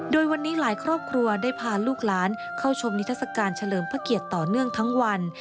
โดยวันนี้หลายครอบครัวได้พาลูกหลานเข้าชมนิทัศกาลเฉลิมพระเกียรติต่อเนื่องทั้งวัน